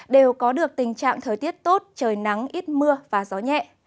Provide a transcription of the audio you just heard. đều có được tình trạng thời tiết tốt trời nắng ít mưa và gió nhẹ